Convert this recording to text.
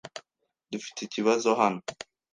Dufite ikibazo hano.